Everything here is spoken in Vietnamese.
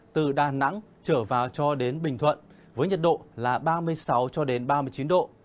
từ đà nẵng trở vào cho đến bình thuận với nhật độ là ba mươi sáu ba mươi chín độ